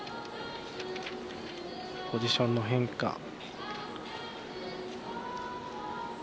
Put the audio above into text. ポジションの変化。